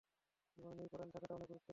জীবনে ন্যায়পরায়ণ থাকাটা অনেক গুরুত্বপূর্ণ।